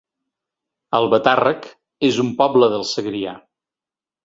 Albatàrrec es un poble del Segrià